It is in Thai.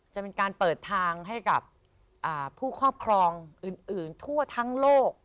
จะเป็นการเปิดทางให้กับผู้ครอบครองอื่นทั่วทั้งโลก